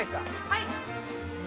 はい。